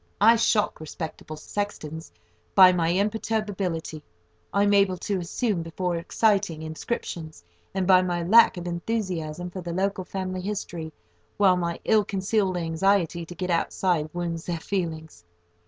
I shock respectable sextons by the imperturbability I am able to assume before exciting inscriptions, and by my lack of enthusiasm for the local family history, while my ill concealed anxiety to get outside wounds their feelings.